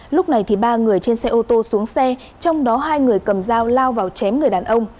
lúc này ba người trên xe ô tô xuống xe trong đó hai người cầm dao lao vào chém người đàn ông